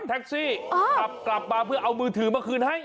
แท็กซี่ขับกลับมาเพื่อเอามือถือมาคืนให้